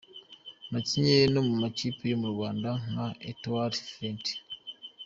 Yakinnye no mu makipe yo mu Rwanda nka Etoile Filante.